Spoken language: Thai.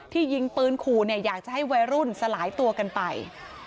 ยิงปืนขู่เนี่ยอยากจะให้วัยรุ่นสลายตัวกันไป